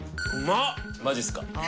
マジっすか？